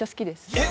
えっ！